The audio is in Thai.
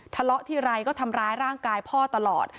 ทะเลาะทีไรก็ทำร้ายร่างกายพ่อตลอด